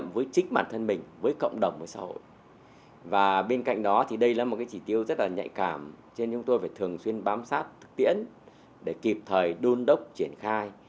và bên cạnh đó thì đây là một cái chỉ tiêu rất là nhạy cảm cho nên chúng tôi phải thường xuyên bám sát thực tiễn để kịp thời đun đốc triển khai